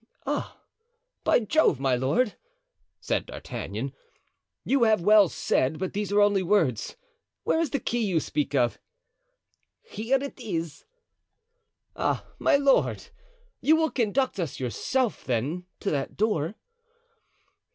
"Ah! by Jove, my lord," said D'Artagnan, "you have well said, but these are only words. Where is the key you speak of?" "Here it is." "Ah, my lord! You will conduct us yourself, then, to that door?"